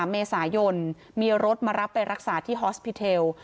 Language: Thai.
เมษายนมีรถมารับไปรักษาที่ฮอสพิเทล